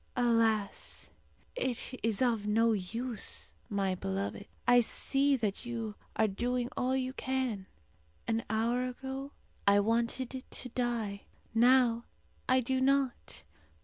"Alas! it is of no use, my beloved. I see that you are doing all you can. An hour ago I wanted to die; now I do not.